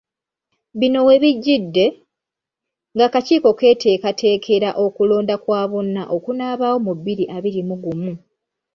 Bino webijjidde, ng'akakiiko keteekateekera okulonda kwa bonna okunaabaawo mu bbiri abiri mu gumu.